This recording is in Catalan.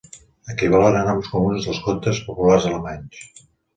Equivalen a noms comuns dels contes populars alemanys.